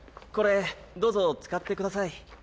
これどうぞ使ってください。